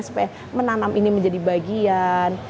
supaya menanam ini menjadi bagian